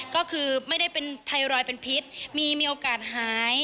ก็คือไม่ได้เป็นไทรอยด์เป็นพิษมีโอกาสหาย